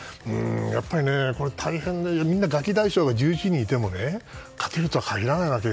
やっぱり大変でガキ大将が１１人いても勝てるとは限らないわけ。